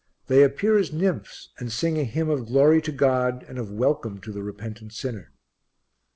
They appear as nymphs and sing a hymn of glory to God and of welcome to the repentant sinner.